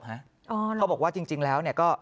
อ๋อเหรอนะเขาบอกว่าจริงแล้วนี่ก็